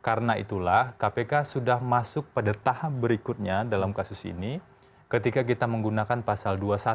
karena itulah kpk sudah masuk pada tahap berikutnya dalam kasus ini ketika kita menggunakan pasal dua puluh satu